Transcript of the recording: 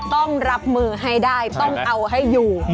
ต้องรับมือให้ได้ต้องเอาให้อยู่